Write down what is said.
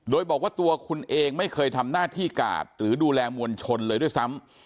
โดยบอกว่าตัวคุณเองไม่เคยทำหน้าที่กาดหรือดูแลมวลชนเลยด้วยซ้ำ